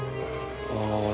ああ。